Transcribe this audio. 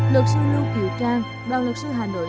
luật sư lưu kỳ trang đoàn luật sư hà nội